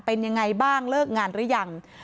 เป็นยังไงบ้างเลิกงานหรือยัง